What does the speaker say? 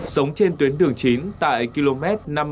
sống trên tuyến đường chín tại km năm mươi hai bảy trăm linh